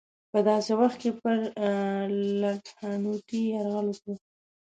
په داسې وخت کې پر لکهنوتي یرغل وکړ.